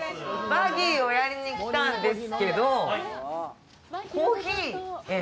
バギーをやりに来たんですけどコーヒー園？